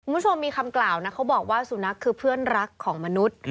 คุณผู้ชมมีคำกล่าวนะเขาบอกว่าสุนัขคือเพื่อนรักของมนุษย์